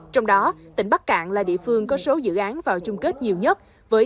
trong đó tỉnh bắc cạn là địa phương có số dự án vào chung kết nhiều nhất